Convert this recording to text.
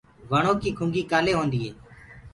وڻو ڪي کُنگي ڪآلي هوندي هي؟